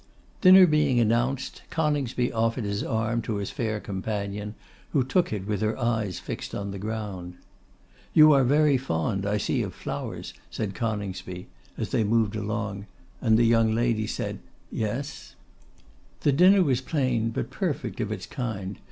Dinner being announced, Coningsby offered his arm to his fair companion, who took it with her eyes fixed on the ground. 'You are very fond, I see, of flowers,' said Coningsby, as they moved along; and the young lady said 'Yes.' The dinner was plain, but perfect of its kind.